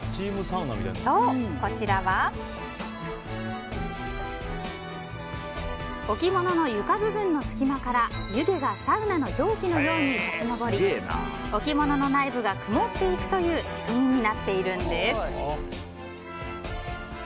こちらは置物の床部分の隙間から湯気がサウナの蒸気のように立ち上り置物の内部が曇っていくという仕組みになっているんです。